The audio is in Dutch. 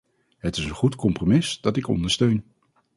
Het is een goed compromis, dat ik ondersteun.